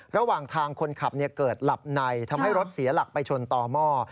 ระหว่างทางคนขับเกิดหลับในทำให้รถเสียหลักไปชนต่อหม้อ